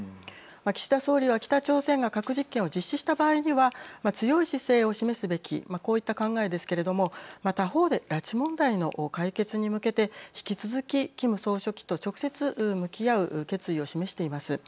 岸田総理は、北朝鮮が核実験を実施した場合には強い姿勢を示すべきこういった考えですけれども他方で、拉致問題の解決に向けて引き続きキム総書記と直接向き合う決意を示しています。